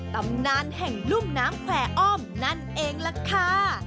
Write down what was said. ตำนานแห่งรุ่มน้ำแขว่อ้อมนั่นเองล่ะค่ะ